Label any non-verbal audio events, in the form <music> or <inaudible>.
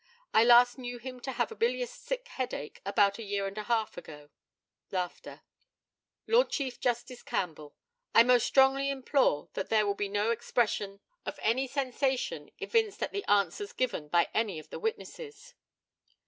I last knew him to have a bilious sick headache about a year and a half ago. <laughs> Lord Chief Justice CAMPBELL: I most strongly implore that there will be no expression of any sensation evinced at the answers given by any of the witnesses.